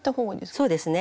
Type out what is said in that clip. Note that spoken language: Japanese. そうですね。